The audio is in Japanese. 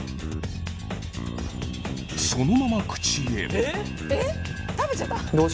そのまま口へ。